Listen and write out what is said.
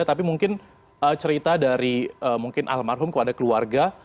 tapi mungkin cerita dari mungkin almarhum kepada keluarga